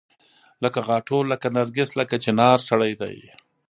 لکه غاټول لکه نرګس لکه چنارسړی دی